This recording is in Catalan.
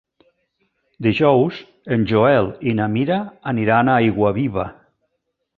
Dijous en Joel i na Mira aniran a Aiguaviva.